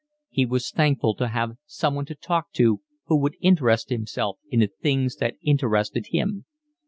He was thankful to have someone to talk to who would interest himself in the things that interested him.